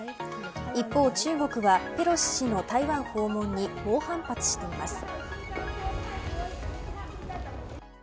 一方中国はペロシ氏の台湾訪問に猛反発しています。